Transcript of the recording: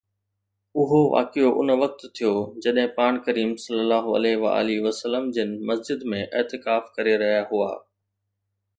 اهو واقعو ان وقت ٿيو جڏهن پاڻ ڪريم ﷺ جن مسجد ۾ اعتکاف ڪري رهيا هئا